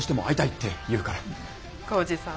浩二さん